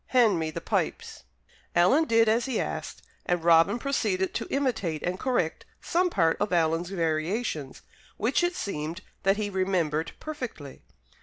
Hand me the pipes." Alan did as he asked; and Robin proceeded to imitate and correct some part of Alan's variations, which it seemed that he remembered perfectly.